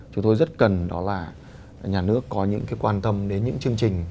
chúng tôi rất cần đó là nhà nước có những quan tâm đến những chương trình